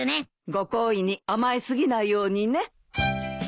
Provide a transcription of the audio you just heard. ご厚意に甘え過ぎないようにね。